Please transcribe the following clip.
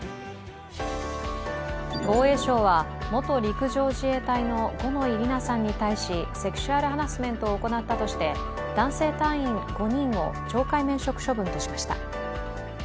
防衛省は元陸上自衛隊の五ノ井里奈さんに対しセクシュアル・ハラスメントを行ったとして男性隊員５人を懲戒免職処分としました。